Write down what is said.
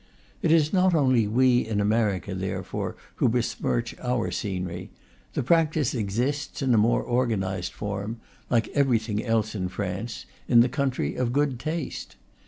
It is not only we in America, therefore, who besmirch our scenery; the practice exists, in a more organized form (like every thing else in France), in the country of good taste.